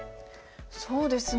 そうですね。